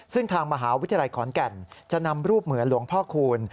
ซึ่งทางมหาวิทยาลัยขอนแก่นจะนำรูปเหมือนหลวงพ่อคูณ